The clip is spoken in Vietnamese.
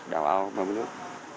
đào áo bơm nước